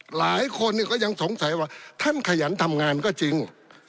หลายคนก็ยังสงสัยว่าท่านขยันทำงานก็จริง